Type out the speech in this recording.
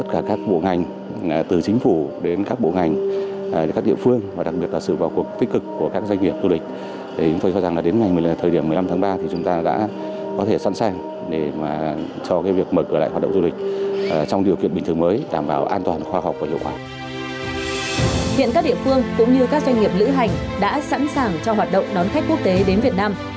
điều kiện các địa phương cũng như các doanh nghiệp lữ hành đã sẵn sàng cho hoạt động đón khách quốc tế đến việt nam